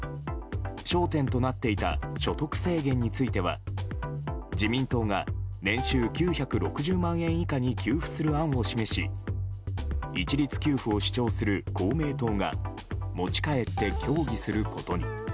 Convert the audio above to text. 焦点となっていた所得制限については自民党が年収９６０万円以下に給付する案を示し一律給付を主張する公明党が持ち帰って協議することに。